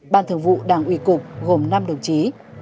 ban thường vụ đảng ủy cục gồm năm đồng chí